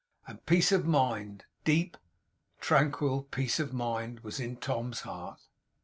And peace of mind, deep, tranquil peace of mind, was in Tom's heart.